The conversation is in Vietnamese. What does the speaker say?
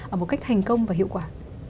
ở một cách thành công và hiệu quả